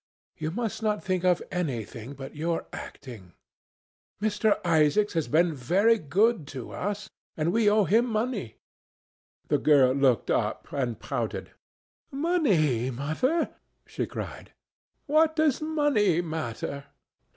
You must not think of anything but your acting. Mr. Isaacs has been very good to us, and we owe him money." The girl looked up and pouted. "Money, Mother?" she cried, "what does money matter?